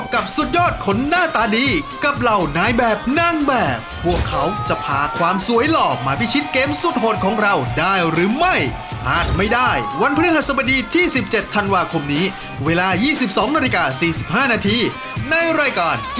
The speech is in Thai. คุณเอากลับบ้านไปเลย